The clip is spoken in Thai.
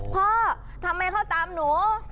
พ่อทำไมเขาตามหนู